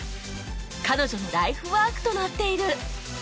彼女のライフワークとなっている